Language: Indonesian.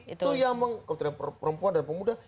itu yang kementerian perempuan dan pemuda